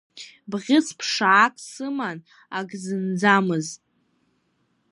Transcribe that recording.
Бӷьыц-ԥшаак сыман ак зынӡамыз.